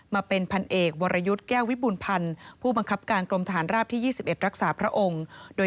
มาเป็นราวิทยาลัย